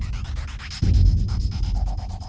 ตอนที่สุดมันกลายเป็นสิ่งที่ไม่มีความคิดว่า